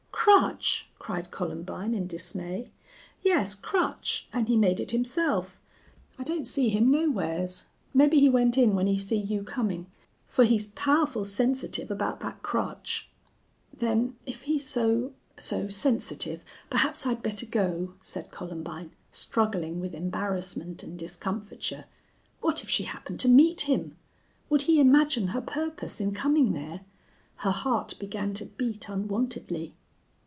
"Crutch!" cried Columbine, in dismay. "Yes, crutch, an' he made it himself.... I don't see him nowheres. Mebbe he went in when he see you comin'. For he's powerful sensitive about that crutch." "Then if he's so so sensitive, perhaps I'd better go," said Columbine, struggling with embarrassment and discomfiture. What if she happened to meet him! Would he imagine her purpose in coming there? Her heart began to beat unwontedly.